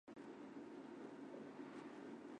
董鲁安早年就读于北京高等师范学校。